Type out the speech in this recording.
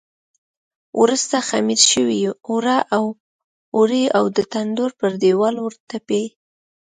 وروسته خمېره شوي اوړه اواروي او د تنور پر دېوال ورتپي.